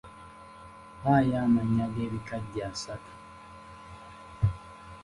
Mpaayo amannya g’ebikajjo asatu.